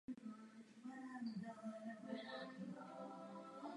My v Evropské unii musíme tuto situaci změnit.